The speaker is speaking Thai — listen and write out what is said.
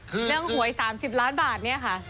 เรื่องหวย๓๐ล้านบาทเนี่ยค่ะ